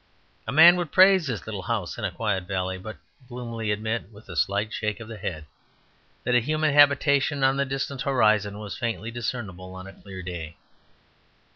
A man would praise his little house in a quiet valley, but gloomily admit (with a slight shake of the head) that a human habitation on the distant horizon was faintly discernible on a clear day.